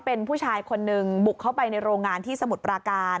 เป็นผู้ชายคนหนึ่งบุกเข้าไปในโรงงานที่สมุทรปราการ